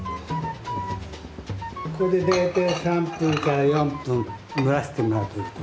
これで大体３分から４分蒸らしてもらうといいです。